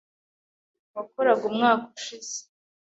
Wakoraga umwaka ushize?